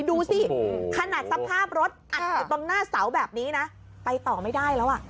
ดูสิขนาดสภาพรถตรงหน้าเสาแบบนี้นะไปต่อไม่ได้แล้ว